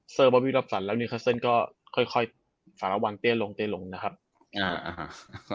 สเตอร์บอบบี้รับสรรค์แล้วนิวคัสเซินก็ค่อยค่อยสาระวางเตี้ยลงเตี้ยลงนะครับอ่า